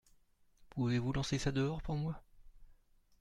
Pouvez-vous lancer ça dehors pour moi ?